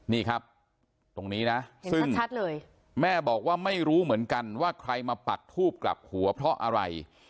นี่ครับตรงนี้นะซึ่งชัดเลยแม่บอกว่าไม่รู้เหมือนกันว่าใครมาปักทูบกลับหัวเพราะอะไร